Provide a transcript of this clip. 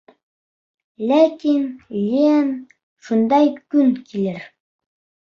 Ләкин, Лиен, шундай көн килер.